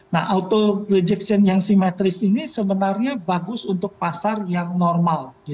nah auto rejection yang simetris ini sebenarnya bagus untuk pasar yang normal